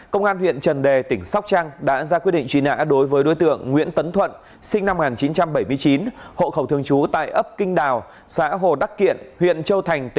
công an huyện trần đề tỉnh sóc trăng còn ra quyết định truy nã đối với đối tượng danh ương